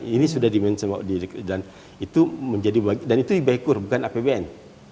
ini sudah di manage dan itu di back cour bukan apbn